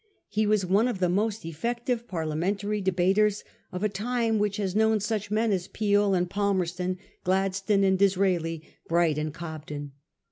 He was one of the most effective Parliamentary debaters of a time which has known such men as Peel and Palmerston, Gladstone and Disraeli, Bright and Cobden.